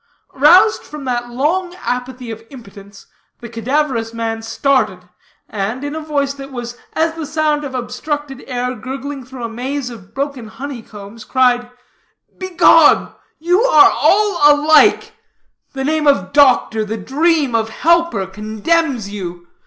Roused from that long apathy of impotence, the cadaverous man started, and, in a voice that was as the sound of obstructed air gurgling through a maze of broken honey combs, cried: "Begone! You are all alike. The name of doctor, the dream of helper, condemns you.